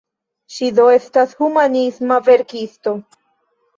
Ŝi do estas humanisma verkisto.